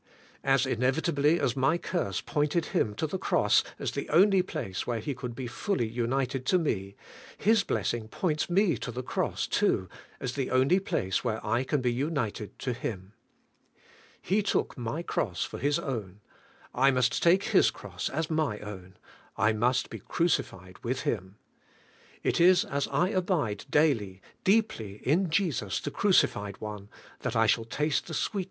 As inevitably as my curse pointed Him to the Cross as the only place where He could be fully united to me. His blessing points me to the Cross too as the only place where I can be united to Him. He took my cross for His own; I must take His Cross as my own; I must be crucified with Him. It is as I abide daily, deeply in Jesus the Crucified One, that I shall taste the sweet THE CRUCIFIED ONE.